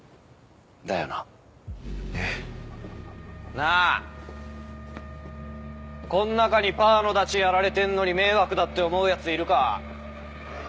なあこん中にパーのダチやられてんのに迷惑だって思うやついるか？